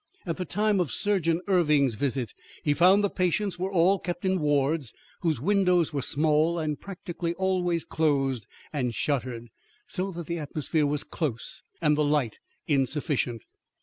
At the time of Surgeon Erving's visit he found the patients were all kept in wards whose windows were small and practically always closed and shuttered, so that the atmosphere was close and the light insufficient.